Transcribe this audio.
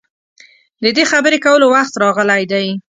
د دې خبرې کولو وخت راغلی دی.